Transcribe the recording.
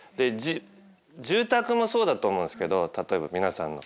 住宅もそうだと思うんですけど例えば皆さんの。